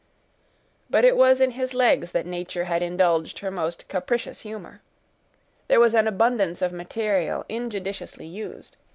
But it was in his legs that nature had indulged her most capricious humor. There was an abundance of material injudiciously used.